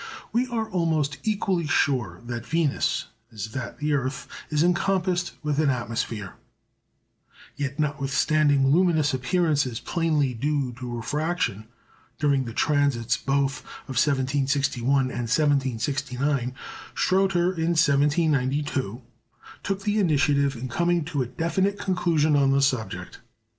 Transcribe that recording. We are almost equally sure that Venus, as that the earth is encompassed with an atmosphere. Yet, notwithstanding luminous appearances plainly due to refraction during the transits both of 1761 and 1769, Schröter, in 1792, took the initiative in coming to a definite conclusion on the subject.